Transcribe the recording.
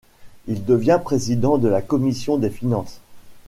Il devient président de la Commission des finances.